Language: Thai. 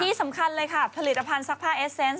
ที่สำคัญเลยค่ะผลิตภัณฑ์ซักผ้าเอสเซนต